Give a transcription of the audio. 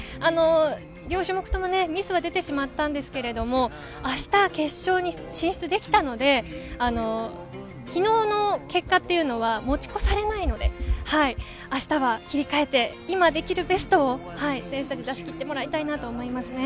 両種目ともミスは出てしまったんですけれども、明日の決勝に進出できたので、昨日の結果っていうのは持ち越されないので、明日は切り替えて今できるベストを選手達に出し切ってもらいたいなと思います。